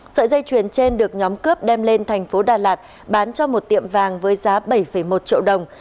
sợi dây chuyền trên được nhóm cướp đem lên thành phố đà lạt bán cho một tiệm vàng với giá bảy một triệu đồng